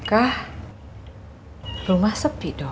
nah begitu berarti akang punya pendirian